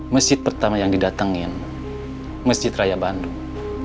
masjid pertama yang didatengin masjid raya bandung